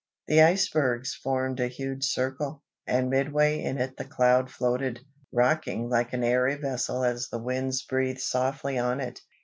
The icebergs formed a huge circle, and midway in it the cloud floated, rocking like an airy vessel as the Winds breathed softly on it.